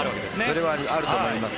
それはあると思います。